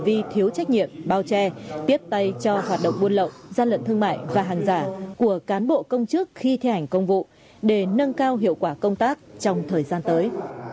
vì thiếu trách nhiệm bao che tiếp tay cho hoạt động buôn lậu gian lận thương mại và hàng giả của cán bộ công chức khi thi hành công vụ để nâng cao hiệu quả công tác trong thời gian tới